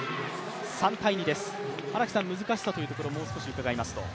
荒木さん、難しさというところをもう少し伺いますと？